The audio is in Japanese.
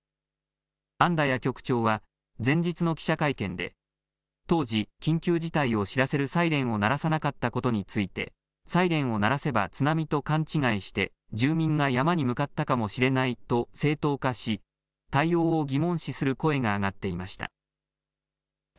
アンダヤ局長は前日の記者会見で当時、緊急事態を知らせるサイレンを鳴らさなかったことについてサイレンを鳴らせば津波と勘違いして住民が山に向かったかもしれないと正当化し対応を疑問視する声が上がっていました。